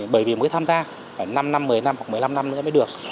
bởi vì mới tham gia khoảng năm năm một mươi năm hoặc một mươi năm năm nữa mới được